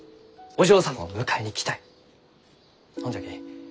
ほんじゃき